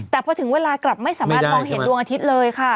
แต่พอถึงเวลากลับไม่สามารถมองเห็นดวงอาทิตย์เลยค่ะ